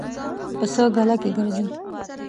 پسه ګله کې ګرځي.